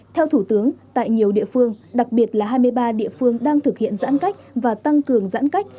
theo thủ tướng tại nhiều địa phương đặc biệt là hai mươi ba địa phương đang thực hiện giãn cách và tăng cường giãn cách